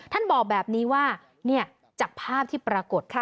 ท่านบอกแบบนี้ว่าจากภาพที่ปรากฏค่ะ